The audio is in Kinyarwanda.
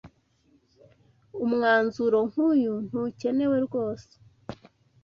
Umwanzuro nk’uyu ntukenewe rwose